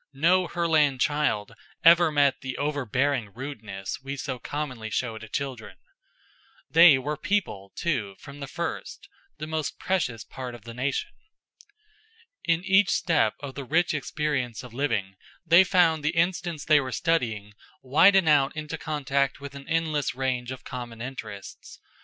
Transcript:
No Herland child ever met the overbearing rudeness we so commonly show to children. They were People, too, from the first; the most precious part of the nation. In each step of the rich experience of living, they found the instance they were studying widen out into contact with an endless range of common interests.